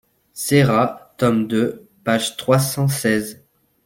Serra, tome II, page trois cent seize.